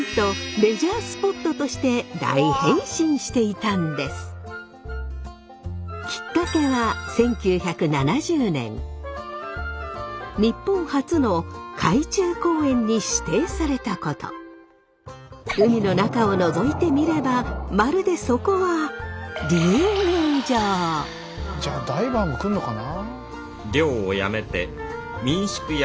なんときっかけは海の中をのぞいてみればまるでそこはじゃあダイバーも来るのかな。